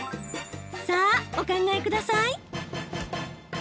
さあ、お考えください。